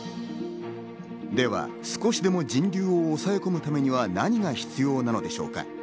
では、少しでも人流を抑え込むためには何が必要なのでしょうか。